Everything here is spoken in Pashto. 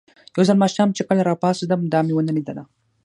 یو ځل ماښام چې کله راپاڅېدم، دا مې ونه لیدله.